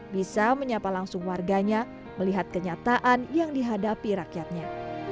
bisa menyapa langsung warganya melihat kenyataan yang dihadapi rakyatnya